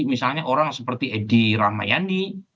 misalnya orang seperti edi ramayani